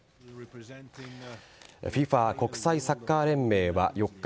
ＦＩＦＡ＝国際サッカー連盟は４日